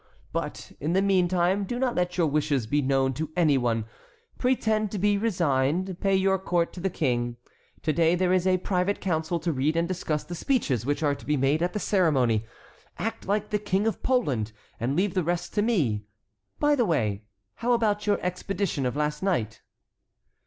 But, in the meantime, do not let your wishes be known to any one; pretend to be resigned, pay your court to the King. To day there is a private council to read and discuss the speeches which are to be made at the ceremony. Act like the King of Poland, and leave the rest to me. By the way, how about your expedition of last night?"